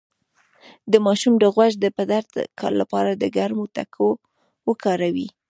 د ماشوم د غوږ د درد لپاره د ګرمو تکو وکاروئ